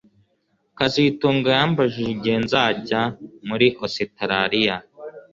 kazitunga yambajije igihe nzajya muri Ositaraliya